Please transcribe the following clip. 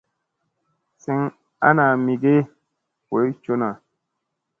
Seŋ ana mi ge boy coo na.